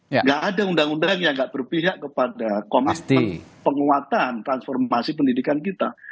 nggak ada undang undang yang nggak berpihak kepada komite penguatan transformasi pendidikan kita